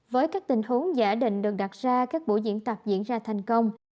với các tình huống giả định được đặt ra các buổi diễn tập diễn ra thành công